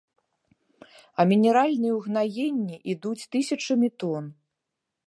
А мінеральныя ўгнаенні ідуць тысячамі тон.